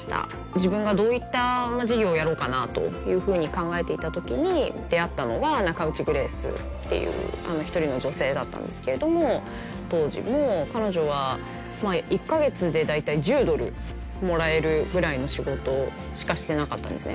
自分がどういった事業をやろうかなというふうに考えていたときに出会ったのがナカウチ・グレースっていう１人の女性だったんですけれども当時も彼女は１カ月で大体１０ドルもらえるぐらいの仕事しかしてなかったんですね